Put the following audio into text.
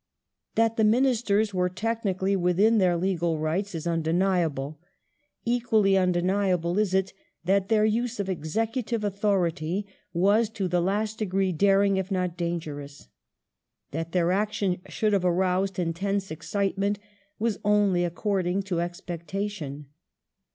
That the Ministers were technically within their legal rights is undeniable ; equally undeniable is it that their use of executive authority was to the last degree daring, if not dangerous. That their action should have aroused intense excitement was only according to expectation.